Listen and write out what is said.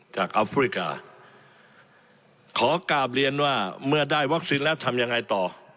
อัฟริกาขอกราบเรียนว่าเมื่อได้วัคซีนแล้วทำยังไงต่อ